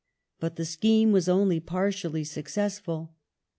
But the scheme was only partially successful.